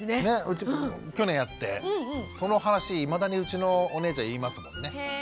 うち去年やってその話いまだにうちのお姉ちゃん言いますもんね。